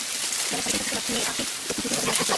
বেলা সাড়ে তিনটার দিকে পাশের একটি পুকুরে তাদের লাশ ভেসে ওঠে।